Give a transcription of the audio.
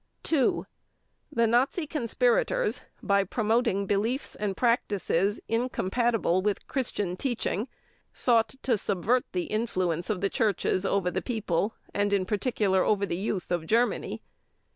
(2) The Nazi conspirators, by promoting beliefs and practices incompatible with Christian teaching, sought to subvert the influence of the churches over the people and in particular over the youth of Germany.